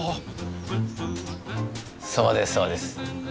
そうですそうです。